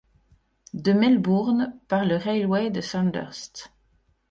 De Melbourne, par le railway de Sandhurst.